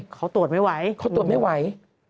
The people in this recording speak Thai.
เขาตรวจไม่ไหว